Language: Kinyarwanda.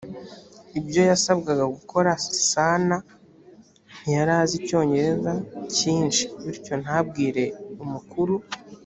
ibyo yasabwaga gukora sanaa ntiyari azi icyongereza cyinshi bityo ntabwire umukuru